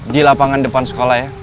di lapangan depan sekolah ya